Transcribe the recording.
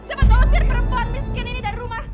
cepat dosir perempuan miskin ini dari rumah